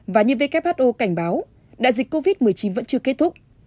và như who cảnh báo đại dịch covid một mươi chín vẫn chưa kết thúc